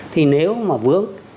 thì nếu mà vướng